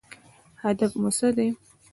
هدف مو څه دی؟